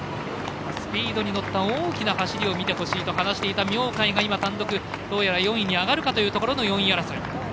スピードに乗った大きな走りを見てほしいと話していた明貝がどうやら４位に上がるかというところの４位争い。